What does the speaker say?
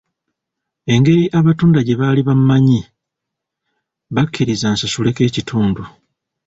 Engeri abatunda gye baali bammanyi, bakkiriza nsasuleko ekitundu.